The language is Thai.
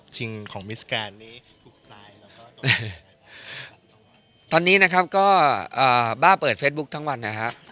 ตอนนี้นะครับก็บ้าเปิดเฟซบุ๊คทั้งวันนะครับ